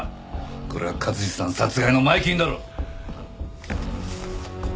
これは勝治さん殺害の前金だろ？